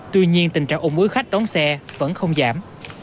tuy nhiên tình trạng ủng ứ khách đón xe vẫn không giảm